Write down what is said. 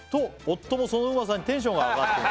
「夫もそのうまさにテンションが上がって」